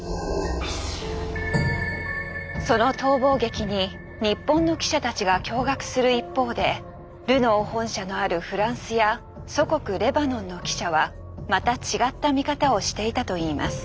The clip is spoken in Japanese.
その逃亡劇に日本の記者たちが驚がくする一方でルノー本社のあるフランスや祖国レバノンの記者はまた違った見方をしていたといいます。